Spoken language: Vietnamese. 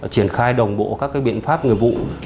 triển khai đồng bộ các cái biện pháp người vụ